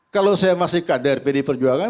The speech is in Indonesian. kalau saya masih kader pdi perjuangan